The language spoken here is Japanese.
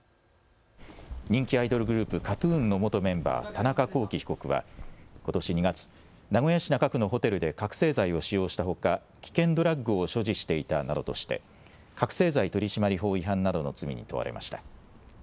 人気アイドルグループ、ＫＡＴ−ＴＵＮの元メンバー、田中聖被告はことし２月、名古屋市中区のホテルで覚醒剤を使用したほか危険ドラッグを所持していたなどとして覚醒剤取締法違反などの罪に問われました。